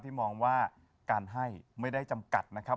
มองว่าการให้ไม่ได้จำกัดนะครับ